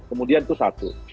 kemudian itu satu